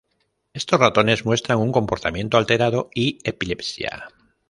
Estos ratones muestran un comportamiento alterado y epilepsia.